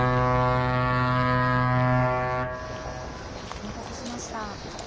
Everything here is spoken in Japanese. お待たせしました。